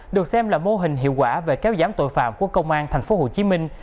được xem là mô hình hiệu quả về kéo giám tội phạm của công an thành phố hồ chí minh